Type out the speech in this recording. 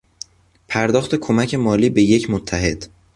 پرداخت کمک مالی به یک متحد